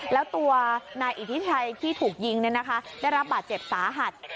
แล้วตัวนายอิทธิชัยที่ถูกยิงได้รับบาดเจ็บสาหัส